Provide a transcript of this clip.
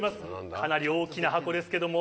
かなり大きな箱ですけども。